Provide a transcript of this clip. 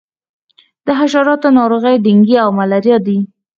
د حشراتو ناروغۍ ډینګي او ملیریا دي.